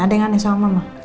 ada yang aneh sama mama